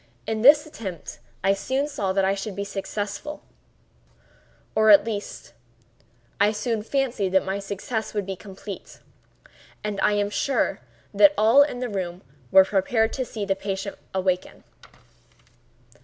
In this attempt I soon saw that I should be successful—or at least I soon fancied that my success would be complete—and I am sure that all in the room were prepared to see the patient awaken.